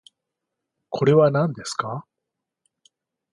これはなんですか？